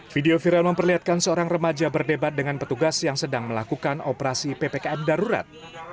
video viral memperlihatkan seorang remaja berdebat dengan petugas yang sedang melakukan operasi ppkm darurat